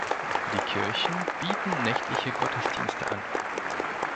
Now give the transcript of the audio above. Die Kirchen bieten nächtliche Gottesdienste an.